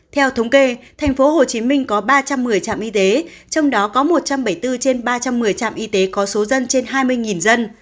theo thống kê tp hcm có ba trăm một mươi trạm y tế trong đó có một trăm bảy mươi bốn trên ba trăm một mươi trạm y tế có số dân trên hai mươi dân